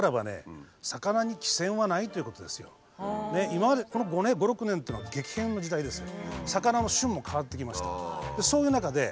今までこの５６年っていうのは激変の時代ですよ。